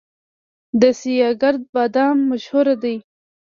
د سیاه ګرد بادام مشهور دي